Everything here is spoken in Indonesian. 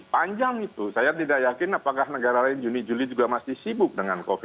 panjang itu saya tidak yakin apakah negara lain juni juli juga masih sibuk dengan covid sembilan belas